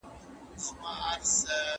زه اجازه لرم چي سبزېجات تيار کړم!